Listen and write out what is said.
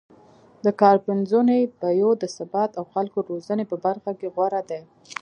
د کار پنځونې، بیو د ثبات او خلکو روزنې په برخه کې غوره دی